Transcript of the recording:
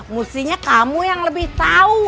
mestinya kamu yang lebih tahu